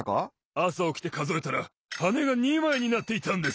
あさおきてかぞえたらはねが２まいになっていたんです。